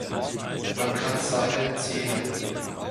Man kann seine Zehenn